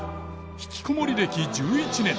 ひきこもり歴１１年。